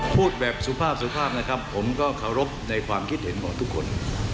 พูดแบบสุภาพสุภาพนะครับผมก็เคารพในความคิดเห็นของทุกคน